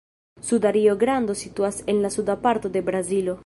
Suda Rio-Grando situas en la suda parto de Brazilo.